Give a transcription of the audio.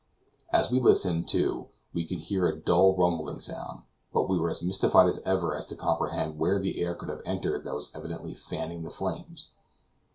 As we listened, too, we could hear a dull rumbling sound, but we were as mystified as ever to comprehend where the air could have entered that was evidently fanning the flames.